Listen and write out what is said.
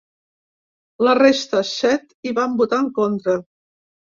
La resta, set, hi han votat en contra.